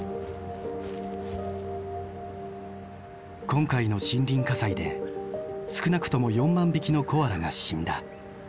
今回の森林火災で少なくとも４万匹のコアラが死んだ。